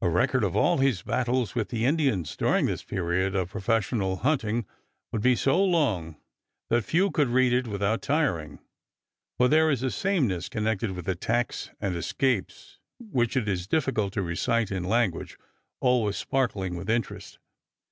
A record of all his battles with the Indians during this period of professional hunting would be so long that few could read it without tiring, for there is a sameness connected with attacks and escapes which it is difficult to recite in language always sparkling with interest.